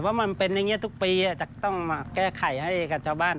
เพราะมันเป็นอย่างนี้ทุกปีจะต้องมาแก้ไขให้กับชาวบ้าน